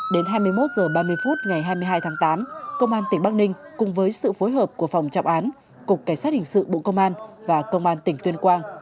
đến hai mươi một h ba mươi phút ngày hai mươi hai tháng tám công an tỉnh bắc ninh cùng với sự phối hợp của phòng trọng án cục cảnh sát hình sự bộ công an và công an tỉnh tuyên quang